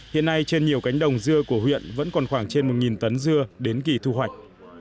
hiện nay trên nhiều cánh đồng dưa của huyện vẫn còn khoảng trên một tấn dưa đến kỳ thu hoạch